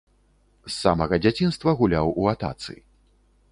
З самага дзяцінства гуляў у атацы.